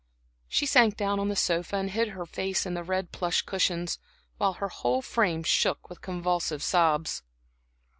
She sank down on the sofa and hid her face in the red plush cushions, while her whole frame shook with convulsive sobs.